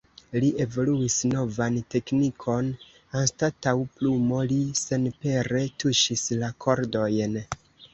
Li evoluis novan teknikon, anstataŭ plumo li senpere tuŝis la kordojn.